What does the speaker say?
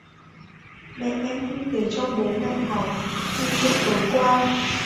mẹ em cũng Kể cho bố mẹ Thảo nghe chuyện tối qua